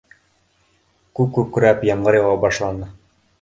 Күк күкрәп, ямғыр яуа башланы.